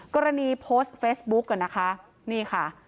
กรณีโพสต์เฟซบุ๊กอ่ะนะคะนี่ค่ะ